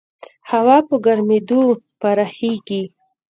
هوا په ګرمېدو پراخېږي.